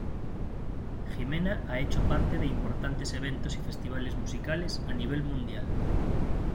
Jimena ha hecho parte de importantes eventos y festivales musicales a nivel mundial.